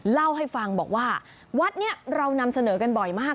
เล่าให้ฟังบอกว่าวัดนี้เรานำเสนอกันบ่อยมาก